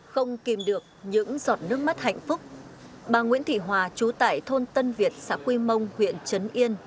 không kìm được những giọt nước mắt hạnh phúc bà nguyễn thị hòa trú tại thôn tân việt xã quy mông huyện trấn yên